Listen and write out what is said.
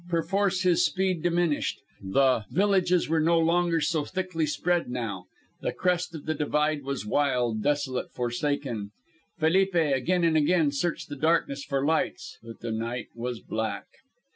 Perforce his speed diminished. The villages were no longer so thickly spread now. The crest of the divide was wild, desolate, forsaken. Felipe again and again searched the darkness for lights, but the night was black.